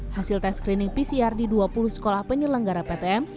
hasil tes screening pcr di dua puluh sekolah penyelenggara ptm